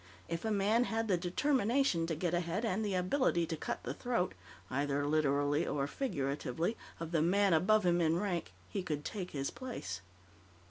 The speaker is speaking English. If a man had the determination to get ahead, and the ability to cut the throat either literally or figuratively of the man above him in rank, he could take his place.